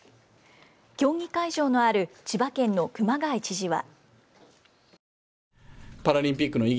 競技会場のある千葉県の熊谷知事は。